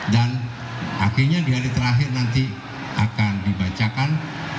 dan akhirnya di hari terakhir nanti akan dibacakan